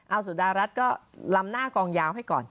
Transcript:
เอาสุดารัฐก็ลำหน้ากองยาวให้ก่อน